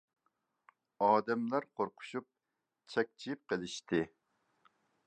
ئادەملەر قورقۇشۇپ چەكچىيىپ قېلىشتى.